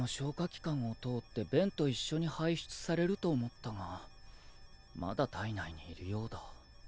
器官を通って便と一緒に排出されると思ったがまだ体内にいるようだ。